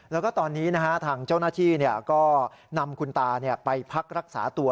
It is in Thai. แล้วก็ตอนนี้ทางเจ้าหน้าที่ก็นำคุณตาไปพักรักษาตัว